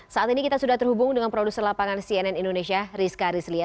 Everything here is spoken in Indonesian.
saat ini kita sudah terhubung dengan produser lapangan cnn indonesia rizka rizlia